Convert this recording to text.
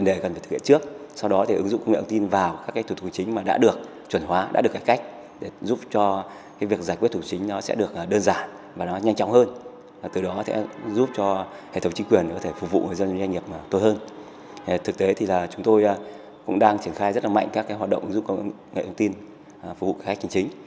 ngoài ra các hội đồng dụng công nghệ thông tin phục vụ khách chính chính